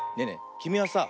きみはさ